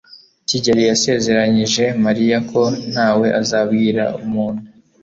Kigeri yasezeranyije Mariya ko ntawe azabwira umuntu.